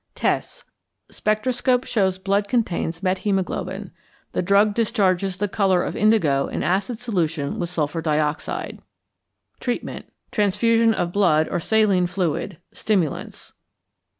Tests. Spectroscope shows blood contains methæmoglobin; the drug discharges the colour of indigo in acid solution with SO_. Treatment. Transfusion of blood or saline fluid; stimulants.